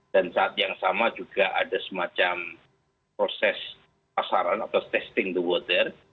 dan saat yang sama juga ada semacam proses pasaran atau testing the water